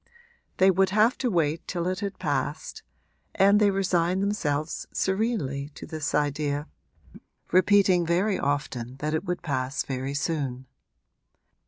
They would have to wait till it had passed, and they resigned themselves serenely to this idea, repeating very often that it would pass very soon.